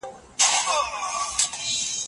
دا واقعه موږ ته د حق او باطل توپیر راښیي.